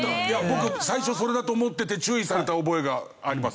僕最初それだと思ってて注意された覚えがあります。